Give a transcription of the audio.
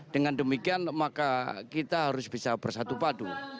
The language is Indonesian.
dengan demikian maka kita harus bisa bersatu padu